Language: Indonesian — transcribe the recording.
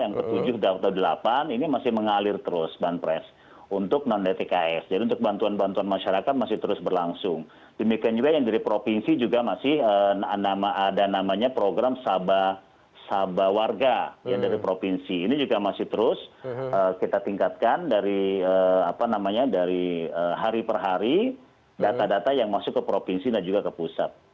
yang ke tujuh dan ke delapan ini masih mengalir terus banpres untuk non dtks jadi untuk bantuan bantuan masyarakat masih terus berlangsung demikian juga yang dari provinsi juga masih ada namanya program sabawarga yang dari provinsi ini juga masih terus kita tingkatkan dari hari per hari data data yang masuk ke provinsi dan juga ke pusat